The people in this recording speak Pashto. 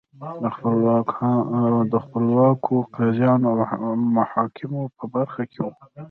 د خپلواکو قاضیانو او محاکمو په برخه کې وو